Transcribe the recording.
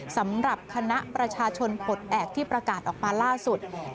สำหรับคณะประชาชนปลดแอบที่ประกาศออกมาล่าสุด